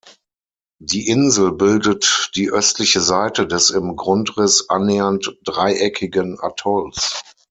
Die Insel bildet die östliche Seite des im Grundriss annähernd dreieckigen Atolls.